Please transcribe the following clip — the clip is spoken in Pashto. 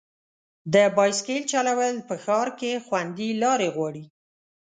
د بایسکل چلول په ښار کې خوندي لارې غواړي.